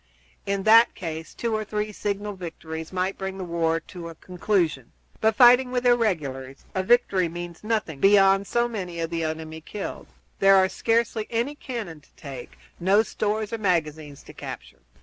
In that case two or three signal victories might bring the war to a conclusion; but fighting with irregulars, a victory means nothing beyond so many of the enemy killed. There are scarcely any cannon to take, no stores or magazines to capture.